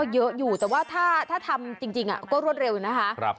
เยอะอยู่แต่ว่าถ้าทำจริงก็รวดเร็วนะคะ